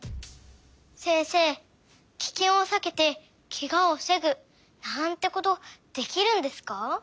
せんせいキケンをさけてケガをふせぐなんてことできるんですか？